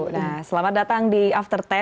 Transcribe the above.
nah selamat datang di after sepuluh